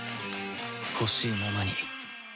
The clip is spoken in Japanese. ほしいままに